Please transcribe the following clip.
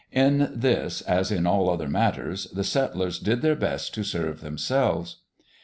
In this, as in all other matters, the settlers did their best to serve themselves.